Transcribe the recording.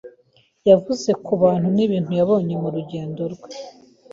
Yavuze ku bantu n'ibintu yabonye mu rugendo rwe.